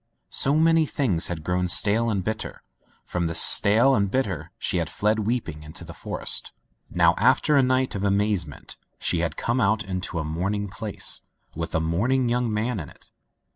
So many things had grown stale and bitter. From die stale and bitter she had fled weeping into the for Digitized by LjOOQ IC Interventions est. Now, after a night of amazement, she had come out into a morning place, with a morning young man in it.